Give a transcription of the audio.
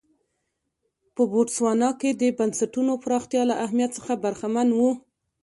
په بوتسوانا کې د بنسټونو پراختیا له اهمیت څخه برخمن و.